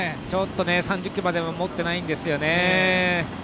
ちょっと３０ｋｍまではもっていないんですよね。